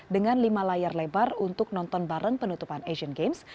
dengan lima layar lebar untuk nonton bareng penutupan asian games